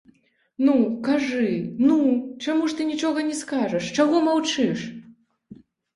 Ну, кажы, ну, чаму ж ты нічога не скажаш, чаго маўчыш?!